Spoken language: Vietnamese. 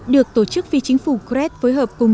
được tổ chức phi chính phủ cred phối hợp cùng